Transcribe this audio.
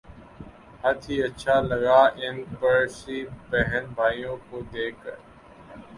ہت ھی اچھا لگا ان پارسی بہن بھائیوں کو دیکھ کر